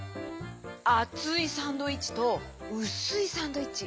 あついサンドイッチとうすいサンドイッチ。